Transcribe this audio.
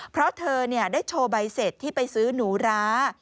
เพราะเธอได้โชว์ใบเสร็จที่ไปซื้อหนูร้า